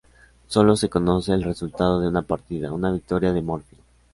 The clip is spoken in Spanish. Sólo se conoce el resultado de una partida, una victoria de Morphy.